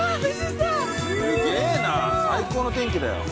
すげえな最高の天気だよ。